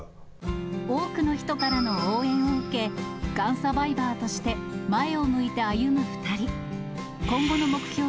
多くの人からの応援を受け、がんサバイバーとして前を向いて歩む２人。